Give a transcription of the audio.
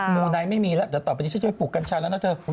ูไนท์ไม่มีแล้วเดี๋ยวต่อไปนี้ฉันจะไปปลูกกัญชาแล้วนะเธอ